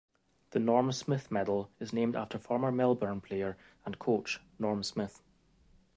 The Norm Smith Medal is named after former Melbourne player and coach, Norm Smith.